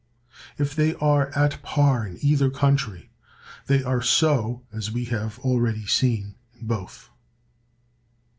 If they are at par in either country, they are so, as we have already seen, in both.